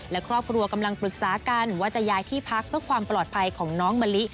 และครอบครัวกำลังปรึกษากันว่าจะย้ายที่พักเพื่อความปลอดภัยของน้องมะลิ